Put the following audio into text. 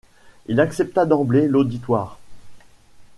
Il accepta d’emblée l’auditoire.